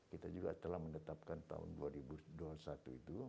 kita juga telah menetapkan tahun dua ribu dua puluh satu itu